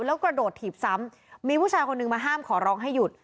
แล้วกระโดดถีบซ้ำมีผู้ชายคนหนึ่งมาห้ามขอร้องให้หยุด